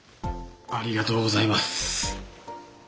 ありがとうございます。